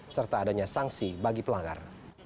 serta adanya sanksi bagi pelanggar